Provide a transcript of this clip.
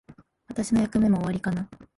私の役目も終わりかな。